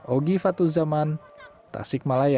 ogi fatuz zaman tasikmalaya